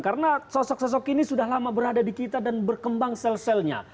karena sosok sosok ini sudah lama berada di kita dan berkembang sel selnya